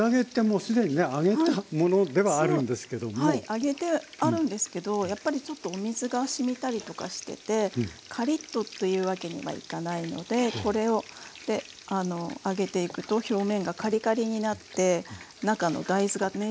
揚げてあるんですけどやっぱりちょっとお水がしみたりとかしててカリッとっていうわけにはいかないのでこれで揚げていくと表面がカリカリになって中の大豆がね